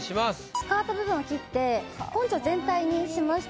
スカート部分を切ってポンチョ全体にしました。